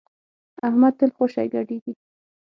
احمد تل خوشی ګډېږي.